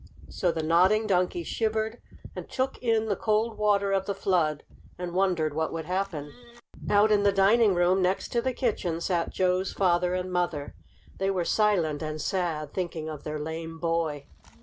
So the Nodding Donkey shivered and shook in the cold water of the flood, and wondered what would happen. Out in the dining room, next the kitchen, sat Joe's father and mother. They were silent and sad, thinking of their lame boy.